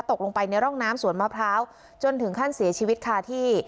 ตกลงไปในร่องน้ำสวนมะพร้าวจนถึงขั้นเสียชีวิตค่ะที่